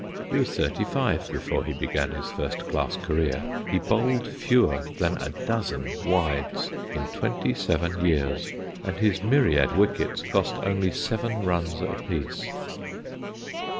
He was thirty five before he began his first class career, he bowled fewer than a dozen wides in twenty seven years, and his myriad wickets cost only seven runs a piece.